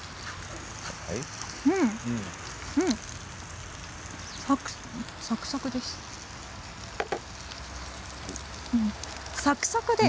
うん、うんサクサクです。